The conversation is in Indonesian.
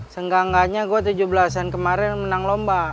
seenggak enggaknya gue tujuh belas an kemarin menang lomba